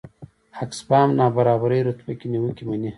اکسفام نابرابرۍ رتبه کې نیوکې مني.